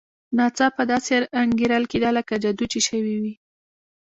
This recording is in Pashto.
ناڅاپه داسې انګېرل کېده لکه جادو چې شوی وي.